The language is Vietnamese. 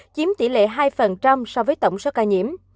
chiếm tỷ lệ hai so với tổng số ca nhiễm